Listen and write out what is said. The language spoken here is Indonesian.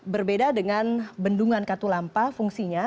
berbeda dengan bendungan katulampa fungsinya